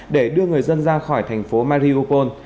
để đưa người dân ra khỏi thành phố mariupol